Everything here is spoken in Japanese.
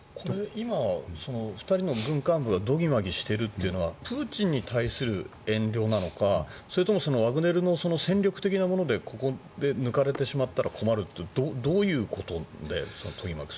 今、２人の軍幹部がどぎまぎしているのはプーチンに対する遠慮なのかそれともワグネルの戦力的なものでここで抜かれてしまったら困るというどういうことで。